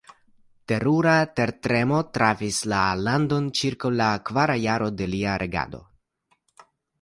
Terura tertremo trafis la landon ĉirkaŭ la kvara jaro de lia regado.